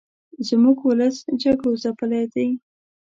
زموږ ولس جګړو ځپلې دې